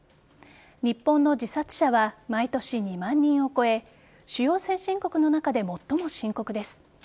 日本の自殺者は毎年２万人を超え主要先進国の中で最も深刻です。